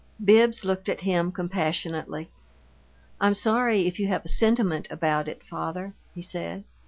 Bibbs looked at him compassionately. "I'm sorry if you have a sentiment about it, father," he said.